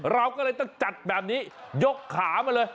เราก็เลยต้องจัดแบบนี้ยกขามาเลย